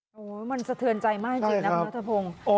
โอ้โหมันสะเทือนใจมากจริงนะคุณนัทพงศ์